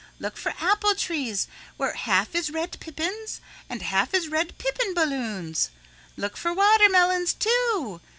Look for apple trees where half is red pippins and half is red pippin balloons. Look for watermelons too.